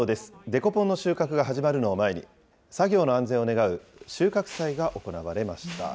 デコポンの収穫が始まるのを前に、作業の安全を願う収穫祭が行われました。